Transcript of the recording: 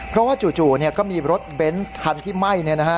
เพราะว่าจู่ก็มีรถเบนส์คันที่ไหม้